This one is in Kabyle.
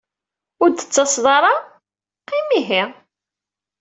Ur d tettaseḍ ara? Qqim ihi!